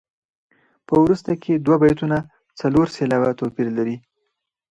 په وروسته کې دوه بیتونه څلور سېلابه توپیر لري.